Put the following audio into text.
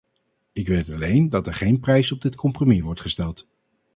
Ik weet alleen dat er geen prijs op dit compromis wordt gesteld.